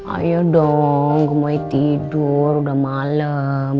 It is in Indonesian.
ayo dong gue tidur udah malam